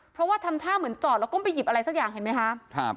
เพราะว่าทำท่าเหมือนจอดแล้วก้มไปหยิบอะไรสักอย่างเห็นไหมคะ